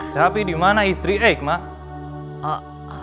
tapi dimana istri eik mak